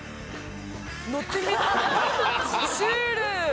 乗ってみたいシュール！